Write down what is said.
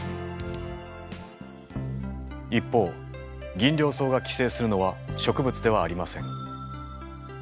一方ギンリョウソウが寄生するのは植物ではありません。